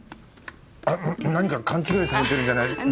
あの何か勘違いされてるんじゃないですか。